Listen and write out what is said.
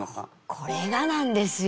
これがなんですよ。